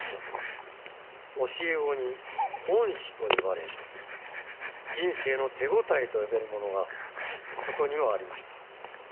「教え子に恩師と言われる」「人生の手応えと呼べるものがそこにはありました」